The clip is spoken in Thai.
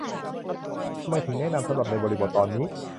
ทำไมถึงแนะนำสำหรับในบริบทตอนนี้